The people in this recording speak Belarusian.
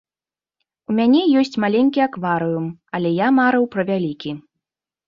У мяне ёсць маленькі акварыум, але я марыў пра вялікі.